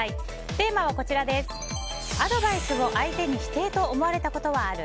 テーマは、アドバイスを相手に否定と思われたことはある？